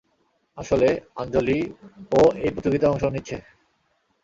আসলে আঞ্জলি ও এই প্রতিযোগিতায় অংশ নিচ্ছে।